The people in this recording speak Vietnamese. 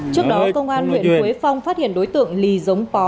trước đó công an huyện quế phong phát hiện đối tượng lì giống pó